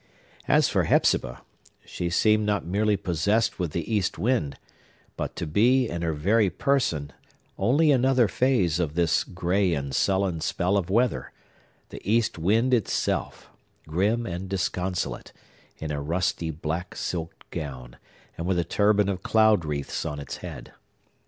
As for Hepzibah, she seemed not merely possessed with the east wind, but to be, in her very person, only another phase of this gray and sullen spell of weather; the East Wind itself, grim and disconsolate, in a rusty black silk gown, and with a turban of cloud wreaths on its head.